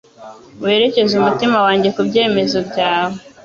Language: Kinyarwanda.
Werekeze umutima wanjye ku byemezo byawe